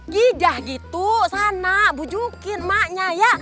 gidah gitu sana bujukin emahnya ya